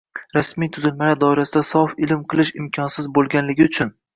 rasmiy tuzilmalar doirasida sof ilm qilish imkonsiz bo‘lganligi uchun